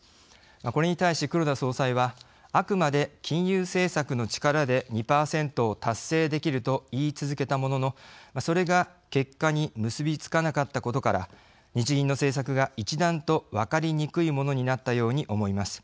これに対し黒田総裁はあくまで金融政策の力で２％を達成できると言い続けたもののそれが結果に結びつかなかったことから日銀の政策が一段と分かりにくいものになったように思います。